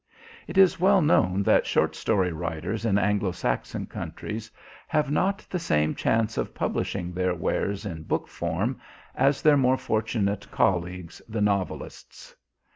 It is well known that short story writers in Anglo Saxon countries have not the same chance of publishing their wares in book form as their more fortunate colleagues, the novelists.